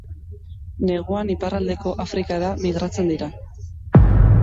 Neguan iparraldeko Afrikara migratzen dira.